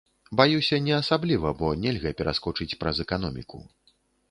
Баюся, не асабліва, бо нельга пераскочыць праз эканоміку.